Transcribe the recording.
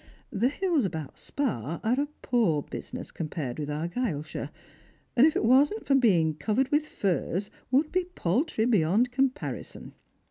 The hills about Spa are a poor business compared with Argyleshire; and if it wasn't for being covered with iirs, v.ould be paltry beyond comparison.